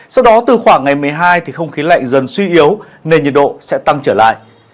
sau đó từ khoảng ngày một mươi hai thì không khí lạnh dần suy yếu nên nhiệt độ sẽ tăng trở lại